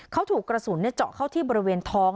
เขาถูกกระสุนเจาะเข้าที่บริเวณท้อง